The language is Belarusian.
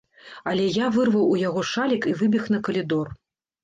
Але я вырваў у яго шалік і выбег на калідор.